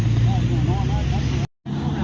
สวัสดีครับทุกคน